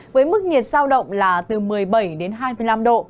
với mức nhiệt giao động là từ một mươi bảy đến hai mươi năm độ